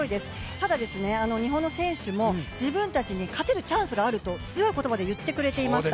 ただ日本の選手も自分たちに勝てるチャンスがあると強い言葉で言ってくれていました。